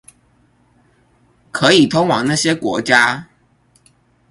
可以通往那些國家